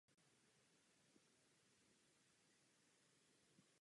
Ta ho přenese na neznámé místo s dalšími branami a kulatou stanicí.